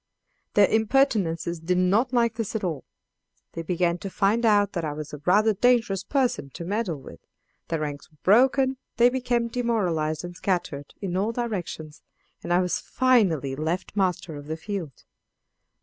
Their Impertinences did not like this at all; they began to find out that I was a rather dangerous person to meddle with: their ranks were broken, they became demoralized and scattered, in all directions, and I was finally left master of the field.